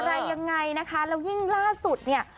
อะไรยังไงนะคะแล้วยิ่งล่าสุดเนี่ย